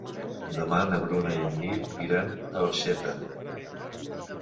Demà na Bruna i en Nil iran a Orxeta.